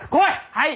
はい！